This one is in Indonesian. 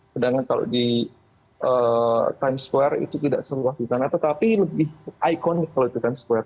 sedangkan kalau di times square itu tidak seluas di sana tetapi lebih ikon kalau itu time square